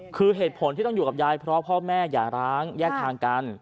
คือเหตุผลที่ต้องอยู่กับยายเพราะพ่อแม่อย่าร้างแยกทางกัน